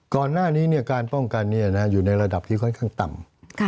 ก่อนหน้านี้การป้องกันอยู่ในระดับที่ค่อนข้างต่ำ